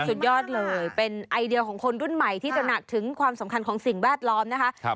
สุดยอดเลยเป็นไอเดียของคนรุ่นใหม่ที่จะหนักถึงความสำคัญของสิ่งแวดล้อมนะคะ